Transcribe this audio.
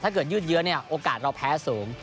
ถ้าเกิดยืดเยอะเนี่ยโอกาสเราแพ้สูง